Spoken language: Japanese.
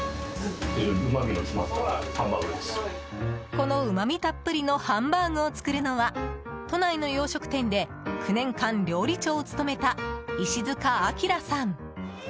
このうまみたっぷりのハンバーグを作るのは都内の洋食店で９年間料理長を務めた石塚聡さん。